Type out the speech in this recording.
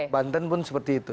banten pun seperti itu